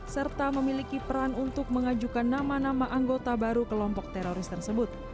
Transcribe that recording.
serta memiliki peran untuk mengajukan nama nama anggota baru kelompok teroris tersebut